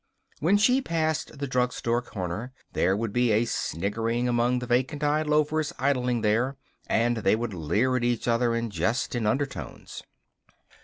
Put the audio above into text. When she passed the drug store corner there would be a sniggering among the vacant eyed loafers idling there, and they would leer at each other and jest in undertones.